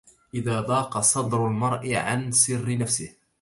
إذا ضاق صدر المرء عن سر نفسه